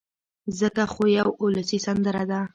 ځکه خو يوه اولسي سندره ده